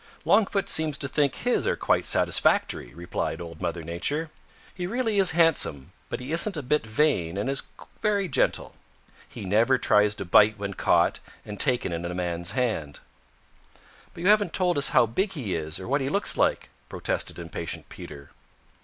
"Longfoot seems to think his are quite satisfactory," replied Old Mother Nature. "He really is handsome, but he isn't a bit vain and is very gentle. He never tries to bite when caught and taken in a man's hand." "But you haven't told us how big he is or what he looks like," protested impatient Peter.